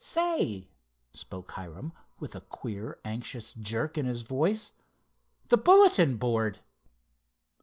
"Say," spoke Hiram, with a queer anxious jerk in his voice—"the bulletin board!"